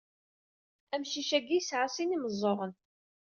Amcic-agi yesɛa sin imeẓẓuɣen.